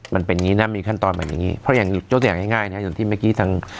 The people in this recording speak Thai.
มันเป็นงี้นะมีขั้นตอนใหม่เรื่องอย่างงี้